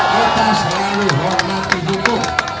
kita selalu hormati hukum